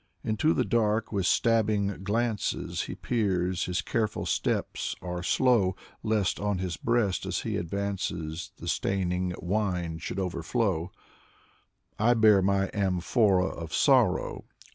Into the dark with stabbing glances He peers, his careful steps are slow, Lest on his breast as he advances The staining wine should overflow, I bear my amphora of sorrow.